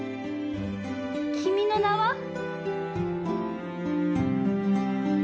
「君の名は。」？